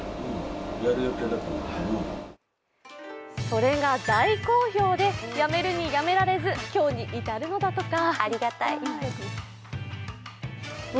それが大好評でやめるにやめられず今日に至るのだとか。